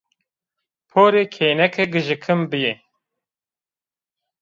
Porê kêneke gijikin bî